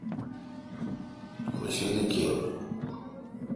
خوشلی کیر